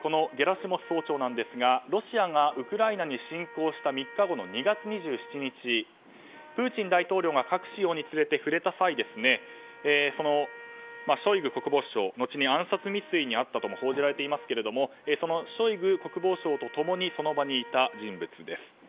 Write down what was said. このゲラシモフ総長なんですがロシアがウクライナに侵攻した３日後の２月２７日、プーチン大統領が核使用について触れた際ショイグ国防相のちに暗殺未遂に遭ったとも報じられていますけれどもそのショイグ国防相と共にその場にいた人物です。